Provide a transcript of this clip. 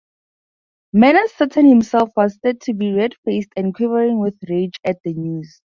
Manners-Sutton himself was said to be "red-faced and quivering with rage" at the news.